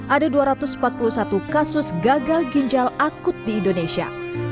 ada dua ratus empat puluh satu kasus gagal ginjal akut di indonesia